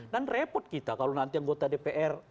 dan repot kita kalau nanti anggota dpr